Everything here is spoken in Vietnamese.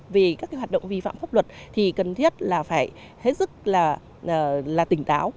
về các cái hoạt động vi phạm pháp luật thì cần thiết là phải hết sức là tỉnh táo